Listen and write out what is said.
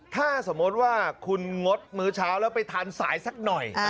ถ้าสมมุติว่าคุณงดมื้อเช้าแล้วไปทานสายสักหน่อย